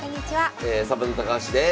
サバンナ高橋です。